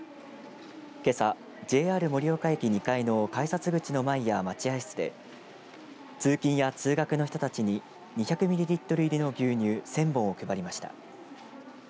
けさ、ＪＲ盛岡駅に２階の改札口の前や待合室で通勤や通学の人たち２００ミリリットル入りの牛乳１０００本を配りました。